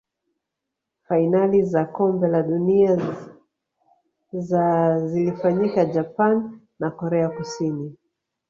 fainali za kombe la dunia za zilifanyika japan na korea kusini